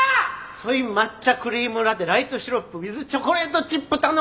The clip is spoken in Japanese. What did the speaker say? ソイ抹茶クリームラテライトシロップウィズチョコレートチップ頼む女子は大変ですねー！